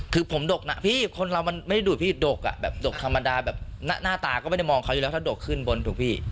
คือผมดกนะพี่คนเรามันไม่ได้ดูดพี่ดกอ่ะแบบดกธรรมดาแบบหน้าตาก็ไม่ได้มองเขาอยู่แล้วถ้าดกขึ้นบนถูกพี่